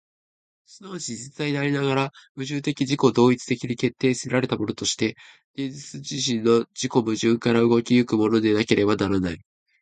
即ち実在でありながら、矛盾的自己同一的に決定せられたものとして、現実自身の自己矛盾から動き行くものでなければならない。